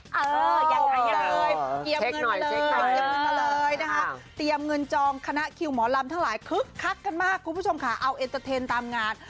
เกียบเงินมาเลยนะคะเตรียมเงินจองคณะคิวหมอลำทั้งหลายคึกคักกันมากคุณผู้ชมขาเอาเอ็นเตอร์เทนตามงาน